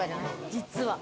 実は。